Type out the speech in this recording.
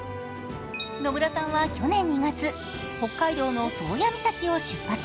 野村さんは去年２月、北海道の宗谷岬を出発。